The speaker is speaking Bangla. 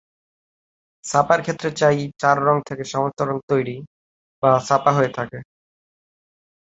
ছাপার ক্ষেত্রে এই চার রং থেকে সমস্ত রং তৈরি বা ছাপা হয়ে থাকে।